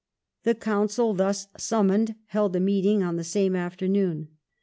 The Council thus summoned held a meet ing on the same afternoon.